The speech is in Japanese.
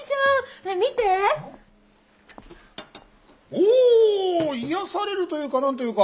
お癒やされるというか何というか。